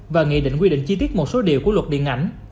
và nghị định quy định chi tiết một số điều của luật điện ảnh